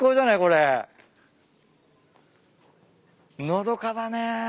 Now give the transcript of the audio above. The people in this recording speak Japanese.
のどかだね。